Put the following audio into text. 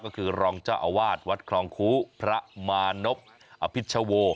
ก็คือรองเจ้าอาวาสวัดคลองคูพระมานพอพิชโว